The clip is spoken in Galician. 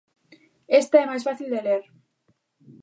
Esta é máis fácil de ler.